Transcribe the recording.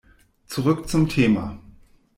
Zurück zum Thema.